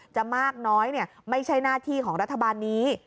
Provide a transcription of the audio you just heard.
จะมากน้อยไม่ใช่หน้าที่ของรัฐบาลนี้